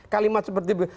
kalimat seperti itu